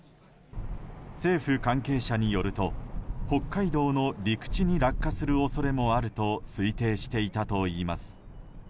政府関係者によると、北海道の陸地に落下する恐れもあると推定していたといいます。